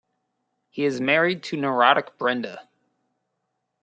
He is married to neurotic Brenda.